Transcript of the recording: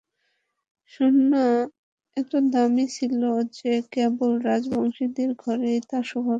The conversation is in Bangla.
সোনা এত দামী ছিল যে কেবল রাজবংশীয়দের ঘরেই তা শোভা পেত।